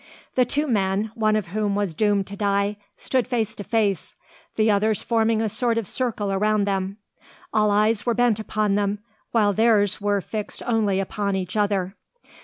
The two men, one of whom was doomed to die, stood face to face; the others forming a sort of circle around them. All eyes were bent upon them, while theirs were fixed only upon each other.